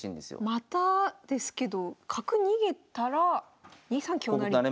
またですけど角逃げたら２三香成。